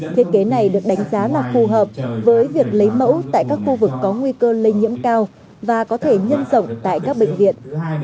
thiết kế này được đánh giá là phù hợp với việc lấy mẫu tại các khu vực có nguy cơ lây nhiễm cao và có thể nhân rộng tại các bệnh viện